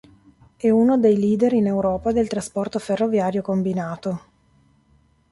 È uno dei leader in Europa del trasporto ferroviario combinato.